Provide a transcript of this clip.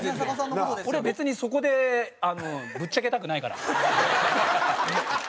俺別にそこでぶっちゃけたくないから。